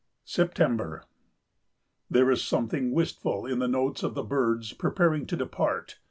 September. There is something wistful in the notes of the birds preparing to depart.